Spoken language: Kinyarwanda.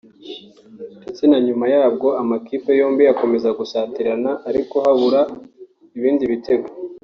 ndetse na nyuma yabwo amakipe yombi akomeza gusatirana ariko habura ibindi bitego